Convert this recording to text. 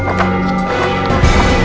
tuan tuan tuan tuan tuan tuan